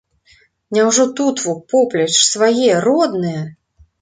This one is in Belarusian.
Няўжо тут во, поплеч, свае, родныя?